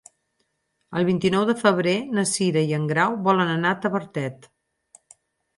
El vint-i-nou de febrer na Cira i en Grau volen anar a Tavertet.